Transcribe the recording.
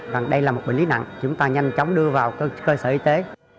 và đây là một bệnh lý nặng chúng ta nhanh chóng đưa vào cơ sở y tế